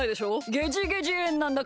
ゲジゲジえんなんだから。